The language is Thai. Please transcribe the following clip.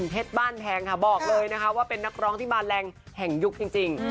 บ้านแพงค่ะบอกเลยนะคะว่าเป็นนักร้องที่บานแรงแห่งยุคจริง